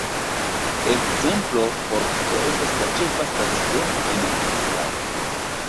Ekzemplo por tio estas la ĉefa stacidomo en Breslau.